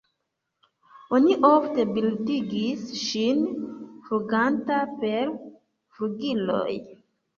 Oni ofte bildigis ŝin fluganta per flugiloj.